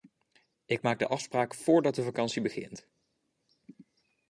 Ik maak de afspraak voordat de vakantie begint.